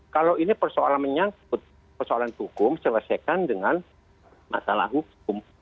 kalau ini persoalan menyangkut persoalan hukum selesaikan dengan masalah hukum